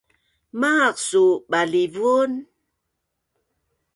Maaq suu balivun?